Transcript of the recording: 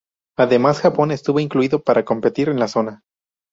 Además, Japón estuvo incluido para competir en la zona.